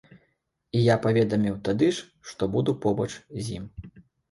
І я паведаміў тады ж, што буду побач з ім.